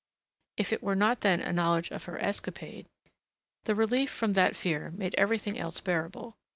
If it were not then a knowledge of her escapade ? The relief from that fear made everything else bearable.